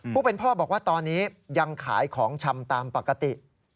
ผู้เป็นพ่อบอกว่าตอนนี้ยังขายของชำตามปกติ